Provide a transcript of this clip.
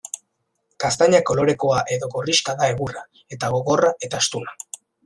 Gaztaina-kolorekoa edo gorrixka da egurra, eta gogorra eta astuna.